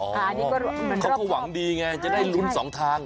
อ๋อเขาก็หวังดีไงจะได้ลุ้น๒ทาง